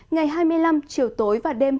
ngày hai mươi năm chiều tối và đêm